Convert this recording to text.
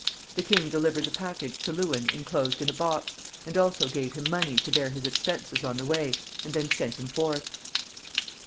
The king delivered the package to Lewin inclosed in a box, and also gave him money to bear his expenses on the way, and then sent him forth.